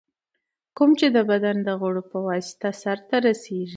کوم چي د بدن د غړو په واسطه سرته رسېږي.